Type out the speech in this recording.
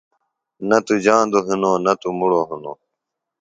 نہ تو جاندوۡ ہِنوۡ نہ نوۡ مُڑو ہِنوۡ۔